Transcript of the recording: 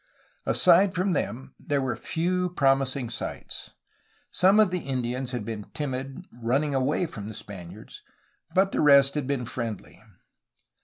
Aside from them there were few promising sites. Some of the Indians had been timid, run ning away from the Spaniards, but the rest had been friendly.